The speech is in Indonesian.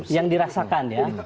yang dirasakan ya